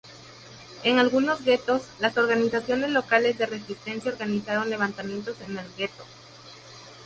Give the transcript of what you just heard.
En algunos guetos, las organizaciones locales de resistencia organizaron levantamientos en el gueto.